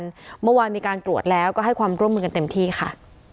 เมื่อวานมีการตรวจแล้วก็ให้ความร่วมมือกันเต็มที่ค่ะ